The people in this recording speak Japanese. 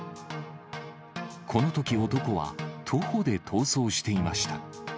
このとき、男は徒歩で逃走していました。